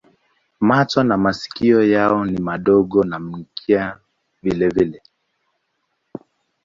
Macho na masikio yao ni madogo na mkia vilevile.